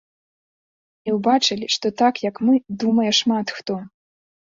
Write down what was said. І ўбачылі, што так, як мы, думае шмат хто.